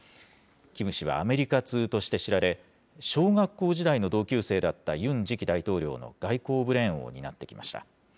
キム氏はアメリカ通として知られ、小学校時代の同級生だったユン次期大統領の外交ブレーンを担ってきました。